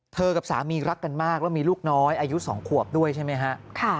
กับสามีรักกันมากแล้วมีลูกน้อยอายุ๒ขวบด้วยใช่ไหมฮะ